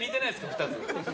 ２つ。